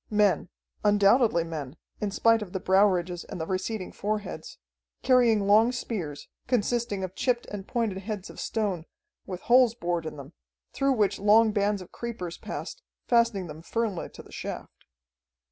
Men undoubtedly men, in spite of the brow ridges and the receding foreheads, carrying long spears, consisting of chipped and pointed heads of stone, with holes bored in them, through which long bands of creepers passed, fastening them firmly to the shaft.